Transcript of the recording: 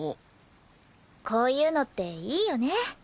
こういうのっていいよね。